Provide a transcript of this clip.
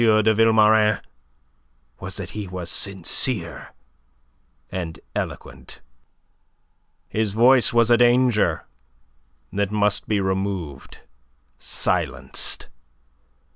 de Vilmorin was that he was sincere and eloquent. His voice was a danger that must be removed silenced.